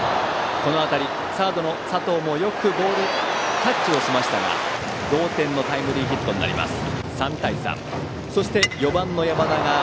この当たりをサードの佐藤もよくキャッチしましたが同点のタイムリーヒットになります。